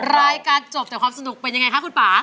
รายการจบแต่ความสนุกเป็นยังไงคะคุณป่า